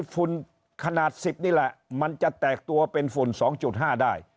ฝุ่นขนาด๑๐นี่แหละมันจะแตกตัวเป็นฝุ่น๒๕ได้